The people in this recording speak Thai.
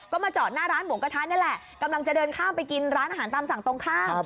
ก็มาจอดหน้าร้านหมูกระทะนี่แหละกำลังจะเดินข้ามไปกินร้านอาหารตามสั่งตรงข้าม